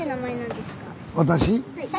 私？